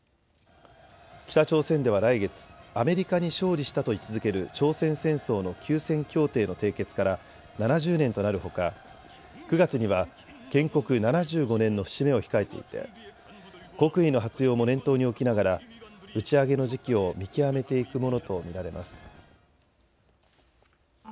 北朝鮮では来月、アメリカに勝利したと位置づける朝鮮戦争の休戦協定の締結から７０年となるほか、９月には建国７５年の節目を控えていて国威の発揚も念頭に置きながら打ち上げの時期を見極めていくものと見られます。